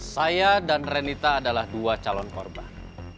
saya dan renita adalah dua calon korban